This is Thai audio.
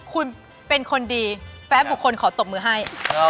คุณเป็นคนดีแฟนบุคคลขอตบมือให้